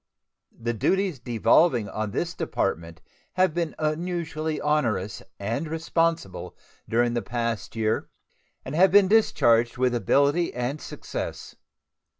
The duties devolving on this Department have been unusually onerous and responsible during the past year, and have been discharged with ability and success.